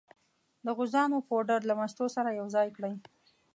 د غوزانو پوډر له مستو سره یو ځای کړئ.